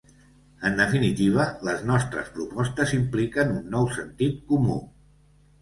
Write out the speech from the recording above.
En definitiva, les nostres propostes impliquen un nou sentit comú.